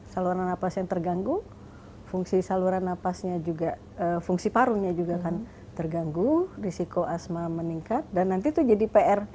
saluran nafas yang terganggu fungsi saluran napasnya juga fungsi parunya juga akan terganggu risiko asma meningkat dan nanti itu jadi pr